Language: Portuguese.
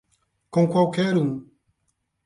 Com qualquer um